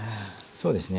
そうですね